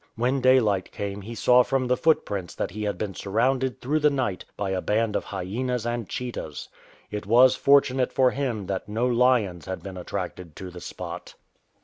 When daylight came he saw from the footprints that he had been surrounded through the night by a band of hyenas and cheetahs. It was fortunate for him that no lions had been attracted to the spot.